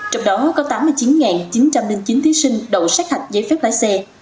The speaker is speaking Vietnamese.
trong đó có tám mươi chín chín trăm linh chín thí sinh đậu sát hạch giấy phép lái xe